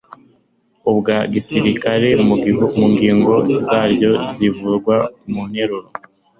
ubwa gisirikare mu ngingo zaryo zivugwa mu nteruro